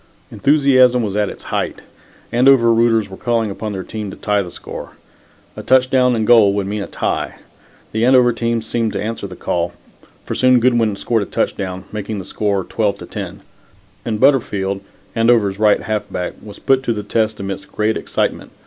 Enthusiasm was at its height. Andover rooters were calling upon their team to tie the score. A touchdown and goal would mean a tie. The Andover team seemed to answer their call, for soon Goodwin scored a touchdown, making the score 12 to 10, and Butterfield, Andover's right halfback, was put to the test amidst great excitement.